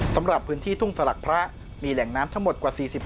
สำหรับพื้นที่ทุ่งสลักพระมีแหล่งน้ำทั้งหมดกว่า๔๕